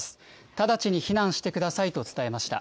直ちに避難してくださいと伝えました。